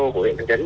của huyện trần trấn